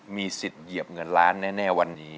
มีสิทธิ์เหยียบเงินล้านแน่วันนี้